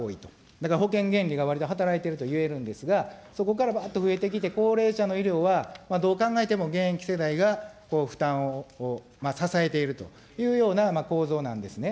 だから保険原理がわりと働いているといえるんですが、そこからばーっと増えてきて、高齢者の医療は、どう考えても、現役世代が負担を支えているというような構造なんですね。